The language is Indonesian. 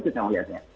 saya kira begitu saja